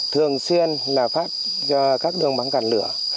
thường xuyên là phát cho các đường bắn cản lửa